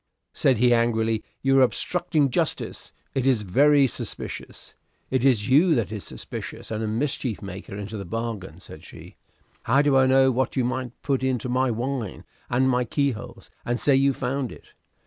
Said he angrily, "You are obstructing justice. It is very suspicious." "It is you that is suspicious, and a mischief maker into the bargain," said she. "How do I know what you might put into my wine and my keyholes, and say you found it?